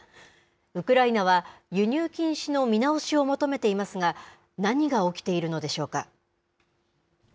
ウクライナは、輸入禁止の見直しを求めていますが、何が起きているのでしょうか。